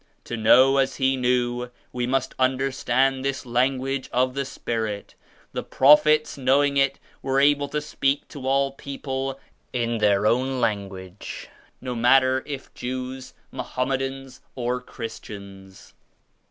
To know as He knew we must under stand this Language of the Spirit. The Proph ets, knowing it, were able to speak to all people in their own language, no matter if Jews, Mo hammedans or Christians."